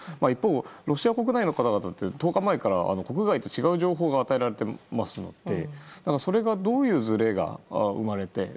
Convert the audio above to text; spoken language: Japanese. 一方でロシア国内の方々は１０日前から国外と違う情報が与えられていますのでそれがどういうずれが生まれて。